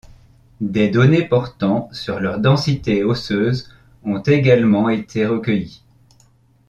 Des données portant sur leur densité osseuse ont également été recueillies.